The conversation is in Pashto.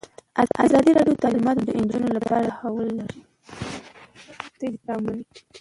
ازادي راډیو د تعلیمات د نجونو لپاره د تحول لړۍ تعقیب کړې.